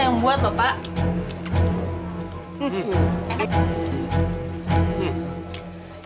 ini enak kok pak